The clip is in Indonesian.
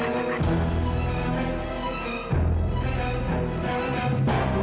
tolong renungkan semua yang mama katakan